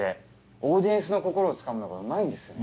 オーディエンスの心をつかむのがうまいんですね。